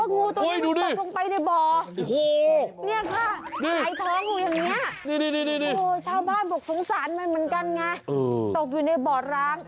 นี่ค่ะเนี่ยค่ะใหญ่ท้อง